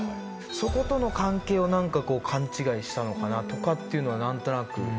そことの関係を勘違いしたのかなっていうのは何となく。